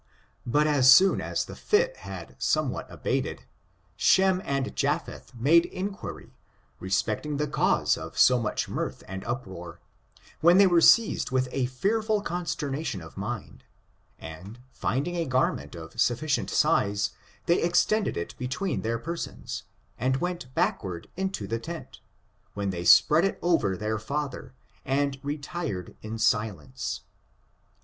But as soon as the fit had somewhat abated, Shem and Japheth made inquiry, respecting the cause of so much mirth and uproar, when they were seized with a fearful consternation of mind, and finding a garment of sufficient size, they extended it between their per sons, and went backward into the tent, when they spread it over their father, and retired in silence.